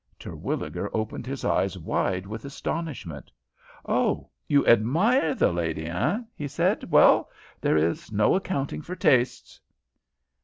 Terwilliger opened his eyes wide with astonishment. "Oh, you admire the lady, eh?" he said. "Well, there is no accounting for tastes."